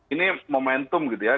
ini momentum gitu ya